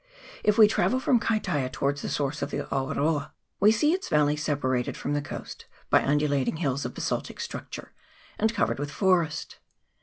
If we travel from Kaitaia towards the source of the Awaroa, we see its valley separated from the coast by undulating hills of basaltic structure, and covered with forest.